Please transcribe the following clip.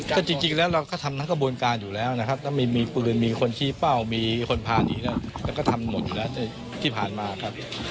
ก็จริงแล้วเราก็ทำทั้งกระบวนการอยู่แล้วนะครับถ้ามีปืนมีคนชี้เป้ามีคนพาหนีแล้วก็ทำหมดอยู่แล้วที่ผ่านมาครับ